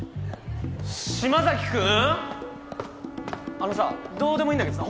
あのさどうでもいいんだけどさ